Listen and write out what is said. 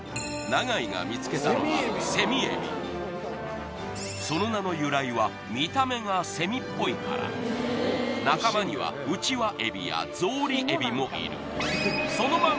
永井が見つけたのはその名の由来は見た目がセミっぽいから仲間にはウチワエビやゾウリエビもいるたち